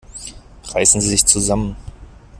Reißen Sie sich zusammen!